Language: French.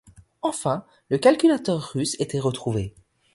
Enfin, le calculateur russe était retrouvé.